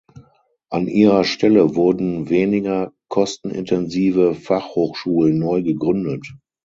An ihrer Stelle wurden weniger kostenintensive Fachhochschulen neu gegründet.